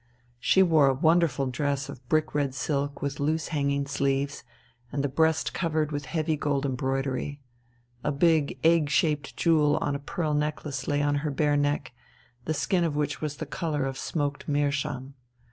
She wore a wonderful dress of brick red silk with loose hanging sleeves, and the breast covered with heavy gold embroidery. A big egg shaped jewel on a pearl necklace lay on her bare neck, the skin of which was the colour of smoked meerschaum.